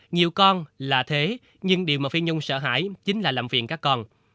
nhiều con là thế nhưng điều mà phi nhung sợ hãi chính là làm việc các con